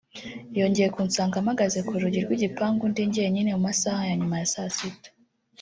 yongeye kunsanga mpagaze ku rugi rw’igipangu ndi jyenyine mu masaha ya nyuma ya saa sita